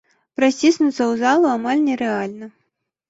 Праціснуцца ў залу амаль нерэальна.